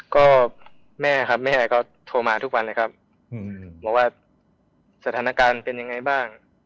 ก็แม่ครับแม่ก็โทรมาทุกวันเลยครับบอกว่าสถานการณ์เป็นยังไงบ้าง